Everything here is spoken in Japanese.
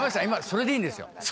それでいいんですか